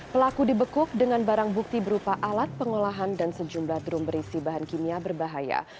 pelaku dibekuk dengan barang bukti berupa alat pengolahan dan sejumlah drum berisi bahan kimia berbahaya